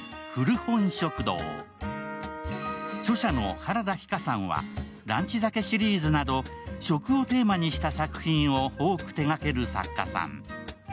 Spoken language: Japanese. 著者の原田ひ香さんは「ランチ酒」シリーズなど、食をテーマにした作品を多く手掛ける作家さん。